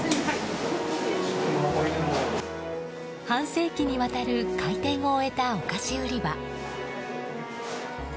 半世紀にわたる回転を終えたお菓子売り場。